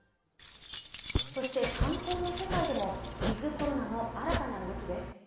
観光の世界でもウィズ・コロナの新たな動きです。